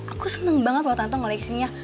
aku seneng banget lo tante ngoleksinya